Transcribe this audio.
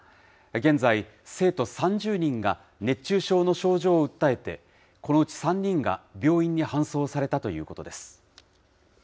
現在、生徒３０人が熱中症の症状を訴えて、このうち３人が病院に搬送されたということです。